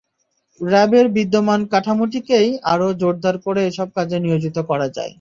র্যাবের বিদ্যমান কাঠামোটিকেই আরও জোরদার করে এসব কাজে নিয়োজিত করা যায়।